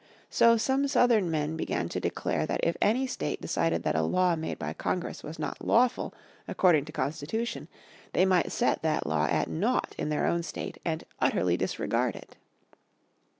So some Southern men began to declare that if any state decided that a law made by Congress was not lawful according to Constitution they might set that law at nought in their own state and utterly disregard it.